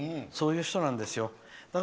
そういう人なんですよ。